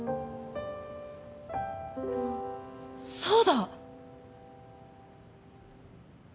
あっそうだ！